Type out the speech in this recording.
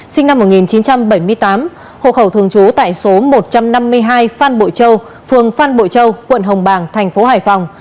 sinh năm một nghìn chín trăm bảy mươi tám hộ khẩu thường trú tại số một trăm năm mươi hai phan bội châu phường phan bội châu quận hồng bàng thành phố hải phòng